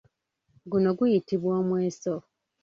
Guno guyitibwa omweso.